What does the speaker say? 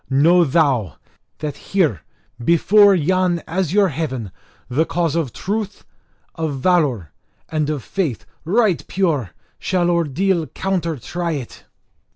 know thou, that here before yon azure heaven the cause of truth, of valour, and of faith right pure shall ordeal counter try it!"